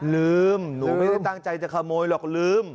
ลืมหนูไม่ได้ตั้งใจจะขโมยหรอกลืม